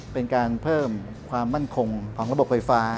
เป็นการเพิ่มความมั่นคงของระบบไฟฟ้า